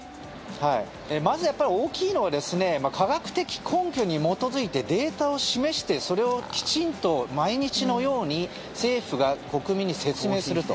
まずやっぱり大きいのは科学的根拠に基づいてデータを示してそれをきちんと毎日のように政府が国民に説明すると。